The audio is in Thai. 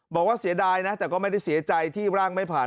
บอกว่าเสียดายนะแต่ก็ไม่ได้เสียใจที่ร่างไม่ผ่าน